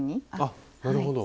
あなるほど。